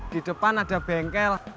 di depan ada bengkel